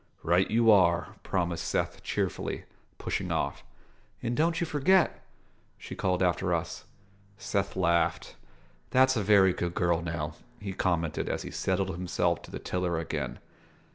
"Right you are," promised Seth cheerfully, pushing off. "And don't you forget!" she called after us. Seth laughed. "That's a very good girl, now," he commented as he settled himself to the tiller again.